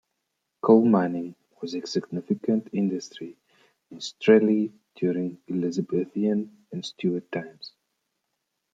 Coal mining was a significant industry in Strelley during Elizabethan and Stuart times.